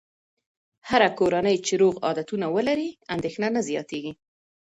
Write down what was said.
هره کورنۍ چې روغ عادتونه ولري، اندېښنه نه زیاتېږي.